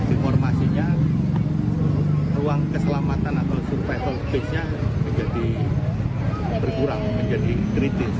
informasinya ruang keselamatan atau survival base nya menjadi berkurang menjadi kritis